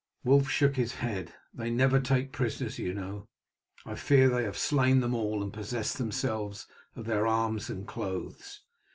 Wulf shook his head. "They never take prisoners, you know. I fear they have slain them all and possessed themselves of their arms and clothes.